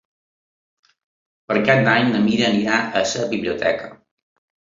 Per Cap d'Any na Mira irà a la biblioteca.